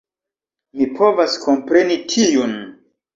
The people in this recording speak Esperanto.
Mi povas kompreni tiun